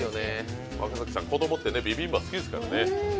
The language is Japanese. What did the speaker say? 若槻さん、子供ってビビンバ好きですからね。